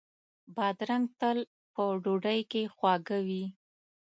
بادرنګ تل په ډوډۍ کې خواږه وي.